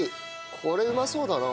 これうまそうだな。